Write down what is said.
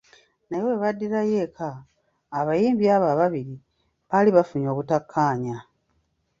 Naye webaddirayo eka, abayimbi abo ababiri baali bafunye obutakaanya.